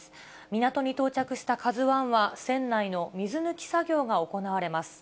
港に到着したＫＡＺＵＩは、船内の水抜き作業が行われます。